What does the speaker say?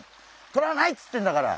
とらないっつってんだから！